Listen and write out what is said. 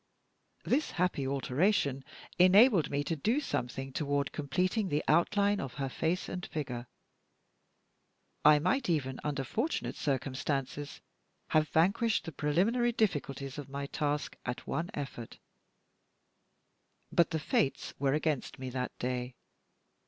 This happy alteration enabled me to do something toward completing the outline of her face and figure. I might even, under fortunate circumstances, have vanquished the preliminary difficulties of my task at one effort; but the fates were against me that day.